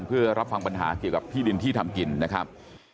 เพื่อรับฟังปัญหาเกี่ยวกับที่ดินที่ทำกินนะครับ